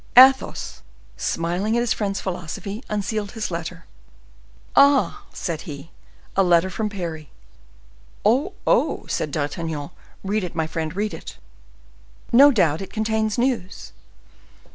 Athos, smiling at his friend's philosophy, unsealed his letter. "Ah!" said he, "a letter from Parry." "Oh! oh!" said D'Artagnan; "read it, my friend, read it! No doubt it contains news."